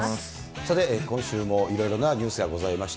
さて、今週もいろいろなニュースがございました。